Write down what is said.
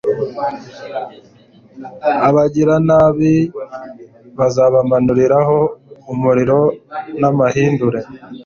abagiranabi azabamanuriraho umuriro n'amahindure